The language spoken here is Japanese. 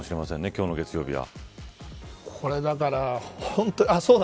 今日の月曜日は。